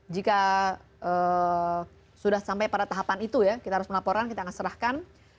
jika sudah sampai pada tahapan itu ya kita harus melaporkan kita akan serahkan